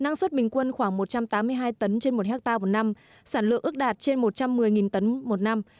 năng suất bình quân khoảng một trăm tám mươi hai tấn trên một hectare một năm sản lượng ước đạt trên một trăm một mươi tấn một năm